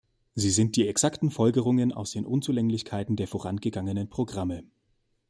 Sie sind die exakten Folgerungen aus den Unzulänglichkeiten der vorangegangenen Programme.